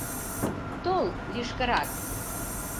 Тол лишкырак.